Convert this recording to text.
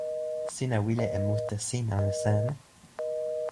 sina wile e mute sin anu seme?